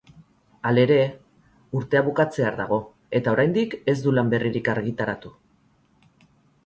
Halere, urtea bukatzear dago eta oraindik ez du lan berririk argitaratu.